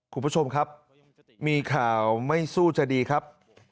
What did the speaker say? คุณผู้ชมครับมีข่าวไม่สู้จะดีครับ